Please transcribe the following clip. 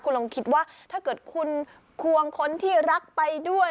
คุณลองคิดว่าถ้าเกิดคุณควงคนที่รักไปด้วย